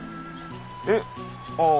えっああ